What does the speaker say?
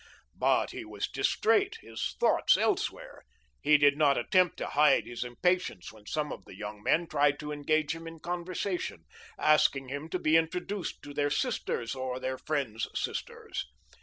But he was distrait, his thoughts elsewhere; he did not attempt to hide his impatience when some of the young men tried to engage him in conversation, asking him to be introduced to their sisters, or their friends' sisters.